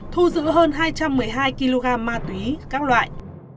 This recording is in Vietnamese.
thu giữ hơn hai trăm một mươi hai kg ma túy các loại